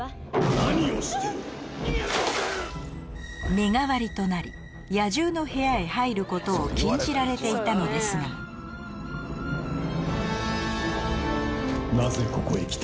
身代わりとなり野獣の部屋へ入ることを禁じられていたのですがなぜここへ来た？